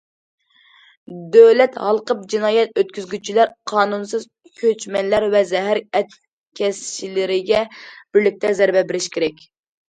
دۆلەت ھالقىپ جىنايەت ئۆتكۈزگۈچىلەر، قانۇنسىز كۆچمەنلەر ۋە زەھەر ئەتكەسچىلىرىگە بىرلىكتە زەربە بېرىش كېرەك.